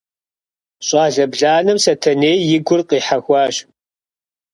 Щӏалэ бланэм Сэтэней и гур къихьэхуащ.